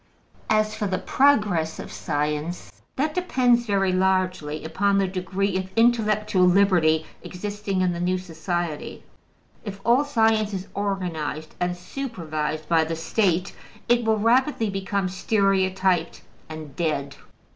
As for the progress of science, that depends very largely upon the degree of intellectual liberty existing in the new society. If all science is organized and supervised by the State, it will rapidly become stereotyped and dead.